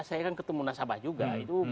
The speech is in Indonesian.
saya kan ketemu nasabah juga